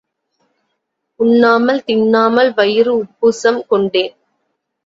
உண்ணாமல் தின்னாமல் வயிறு உப்புசம் கொண்டேன்.